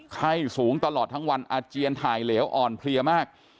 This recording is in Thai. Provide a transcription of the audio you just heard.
ไข้สูงตลอดทั้งวันอาเจียนถ่ายเหลวอ่อนเพลียมาก